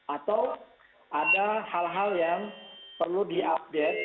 atau ada hal hal yang perlu di update